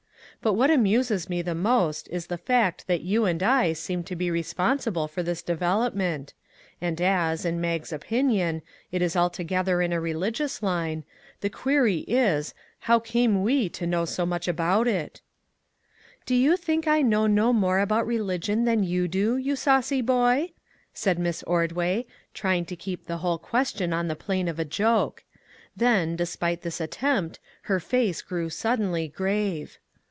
But what amuses me the most is the fact that you and I seem to be responsible for this development; and as, in Mag's opinion, it is altogether in a religious line, the query is, how came we to know so much about it ?"" Do you think I know no more about re 280 "WHAT MADE YOU CHANGE?" ligion than you do, you saucy boy ?" said Miss Ordway, trying to keep the whole question on the plane of a joke; then, despite this attempt, her face grew suddenly grave.